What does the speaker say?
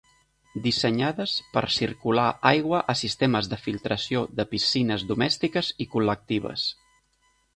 Dissenyades per circular aigua a sistemes de filtració de piscines domèstiques i col·lectives.